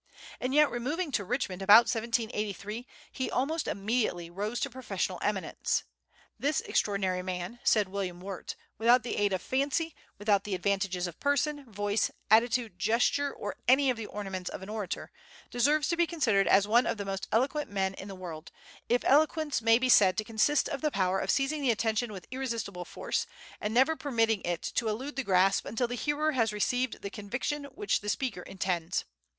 And yet, removing to Richmond about 1783, he almost immediately rose to professional eminence. "This extraordinary man," said William Wirt, "without the aid of fancy, without the advantages of person, voice, attitude, gesture, or any of the ornaments of an orator, deserves to be considered as one of the most eloquent men in the world, if eloquence may be said to consist of the power of seizing the attention with irresistible force, and never permitting it to elude the grasp until the hearer has received the conviction which the speaker intends....